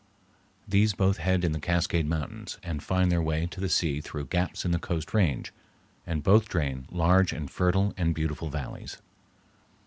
These both head in the Cascade Mountains and find their way to the sea through gaps in the Coast Range, and both drain large and fertile and beautiful valleys.